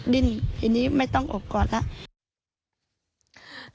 ดิ้นทีนี้ไม่ต้องอบก่อนแล้ว